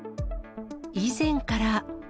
以前から。